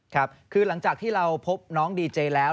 ครับคือหลังจากที่เราพบน้องดีเจแล้ว